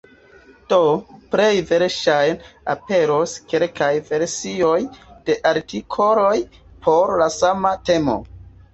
Do, plej verŝajne aperos kelkaj versioj de artikoloj por la sama temo.